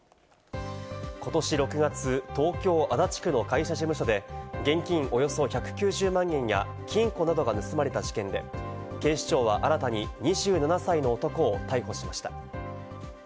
ことし６月、東京・足立区の会社事務所で現金およそ１９０万円や金庫などが盗まれた事件で、警視庁は新たに２７歳の男を逮捕しました。